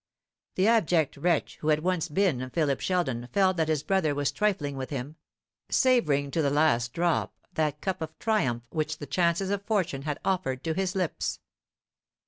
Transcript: The abject wretch who had once been Philip Sheldon felt that his brother was trifling with him, savouring to the last drop that cup of triumph which the chances of fortune had offered to his lips.